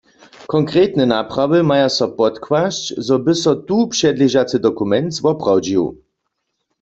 Konkretne naprawy maja so podkłasć, zo by so tu předležacy dokument zwoprawdźił.